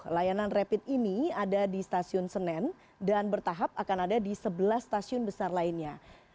layanan rapid ini ada di stasiun senen dan bertahap akan ada di sebelas stasiun besar lainnya